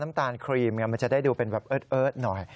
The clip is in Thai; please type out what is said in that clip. ตานครีมมันจะได้ดูเป็นแบบเอิร์ทหน่อย